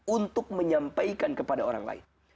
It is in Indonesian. untuk menyampaikan kepada orang lain